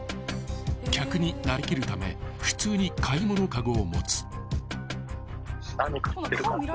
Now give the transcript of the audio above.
［客になりきるため普通に買い物かごを持つ］